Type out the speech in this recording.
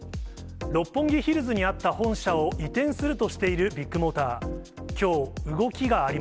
六本木ヒルズにあった本社を移転するとしているビッグモーター。